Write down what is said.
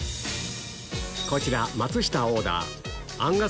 こちら松下オーダー